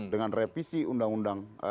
dengan revisi undang undang